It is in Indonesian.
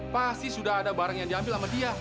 pasti sudah ada barang yang diambil sama dia